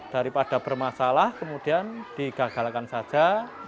daripada bermasalah kemudian digagalkan saja